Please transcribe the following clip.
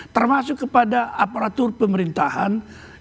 termasuk kepada aparatur pemerintahan